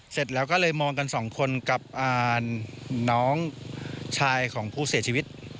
เสร็จแล้วก็เลยมองกันสองคนกับน้องชายของผู้เสียชีวิต